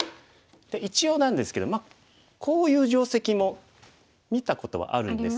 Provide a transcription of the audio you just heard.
一応なんですけどまあこういう定石も見たことはあるんです。